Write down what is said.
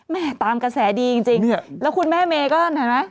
ตามกระแสดีจริงแล้วคุณแม่เมย์ก็เห็นไหม